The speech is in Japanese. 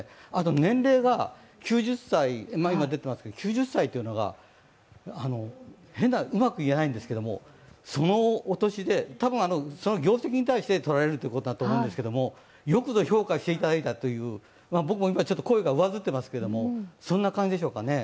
年齢が９０歳というのがうまくいえないんですけどそのお年で、多分業績に対して取られるということだと思いますけどよくぞ評価していただいたという僕も今ちょっと声が上ずっていますけど、そんな感じでしょうか。